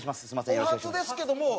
お初ですけどもう。